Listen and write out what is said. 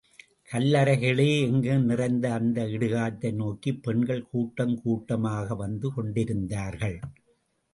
கல்லறைகளே எங்கும் நிறைந்த அந்த இடுகாட்டை நோக்கிப் பெண்கள் கூட்டங் கூட்டமாக வந்து கொண்டிருந்தார்கள்.